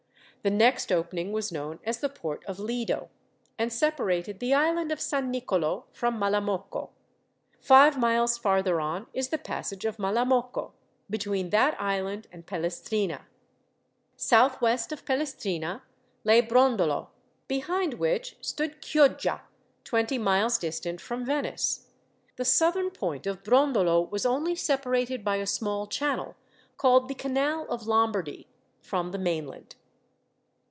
The next opening was known as the port of Lido, and separated the island of San Nicolo from Malamocco. Five miles farther on is the passage of Malamocco, between that island and Pelestrina. Southwest of Pelestrina lay Brondolo, behind which stood Chioggia, twenty miles distant from Venice. The southern point of Brondolo was only separated by a small channel called the Canal of Lombardy from the mainland.